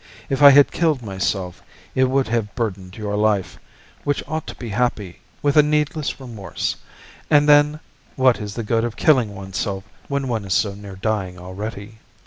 If I had killed myself it would have burdened your life, which ought to be happy, with a needless remorse; and then, what is the good of killing oneself when one is so near dying already?